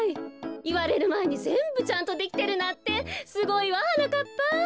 いわれるまえにぜんぶちゃんとできてるなんてすごいわはなかっぱ。